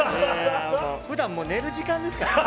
普段、もう寝る時間ですからね。